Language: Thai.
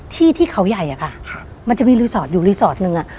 ที่เขาใหญ่อะค่ะมันจะมีรีสอร์ทอยู่รีสอร์ทหนึ่งอ่ะ